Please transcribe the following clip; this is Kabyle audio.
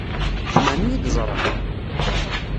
Zemren ad iyi-d-ẓren?